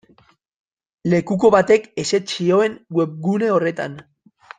Lekuko batek ezetz zioen webgune horretan.